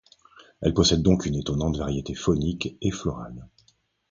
Elle possède donc une étonnante variété faunique et florale.